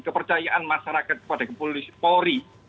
kepercayaan masyarakat kepada kapolri